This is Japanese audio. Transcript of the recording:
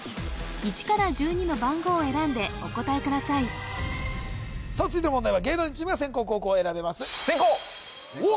１から１２の番号を選んでお答えくださいさあ続いての問題は芸能人チームが先攻後攻選べますおっ！